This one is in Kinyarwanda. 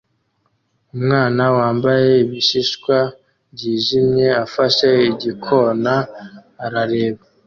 Umwana wambaye ibishishwa byijimye afashe igikona arareba